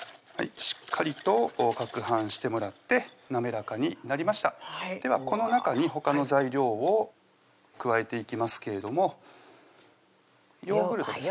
しっかりとかくはんしてもらって滑らかになりましたではこの中にほかの材料を加えていきますけれどもヨーグルトです